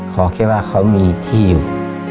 ขอแค่ว่าเขามีที่อยู่